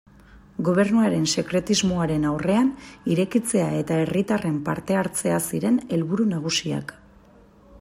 Gobernuaren sekretismoaren aurrean, irekitzea eta herritarren parte-hartzea ziren helburu nagusiak.